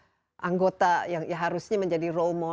dan jumlah anggota yang harusnya menjadi romantik